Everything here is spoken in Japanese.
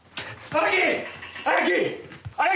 荒木！